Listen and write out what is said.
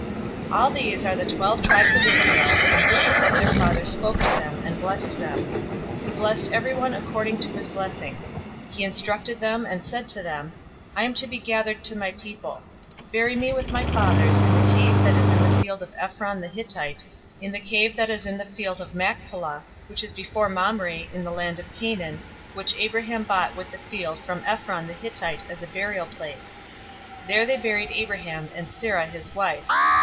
049:028 All these are the twelve tribes of Israel, and this is what their father spoke to them and blessed them. He blessed everyone according to his blessing. 049:029 He charged them, and said to them, "I am to be gathered to my people. Bury me with my fathers in the cave that is in the field of Ephron the Hittite, 049:030 in the cave that is in the field of Machpelah, which is before Mamre, in the land of Canaan, which Abraham bought with the field from Ephron the Hittite as a burial place. 049:031 There they buried Abraham and Sarah, his wife.